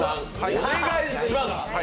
お願いします。